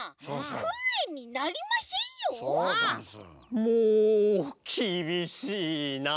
もうきびしいなあ！